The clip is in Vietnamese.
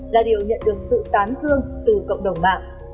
là điều nhận được sự tán dương từ cộng đồng mạng